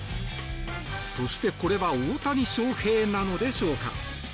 そして、これは大谷翔平なのでしょうか。